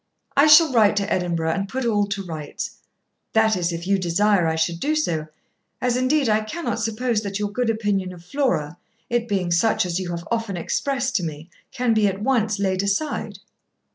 I shall write to Edinburgh and put all to rights; that is, if you desire I should do so; as indeed I cannot suppose that your good opinion of Flora, it being such as you have often expressed to me, can be at once laid aside.'